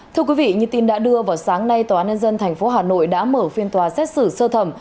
thưa quý vị như tin đã đưa vào sáng nay tòa án nhân dân tp hà nội đã mở phiên tòa xét xử sơ thẩm